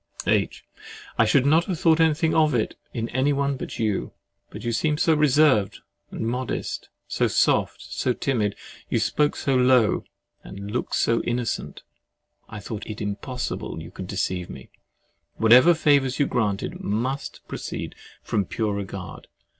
H. I should not have thought anything of it in anyone but you. But you seemed so reserved and modest, so soft, so timid, you spoke so low, you looked so innocent—I thought it impossible you could deceive me. Whatever favors you granted must proceed from pure regard.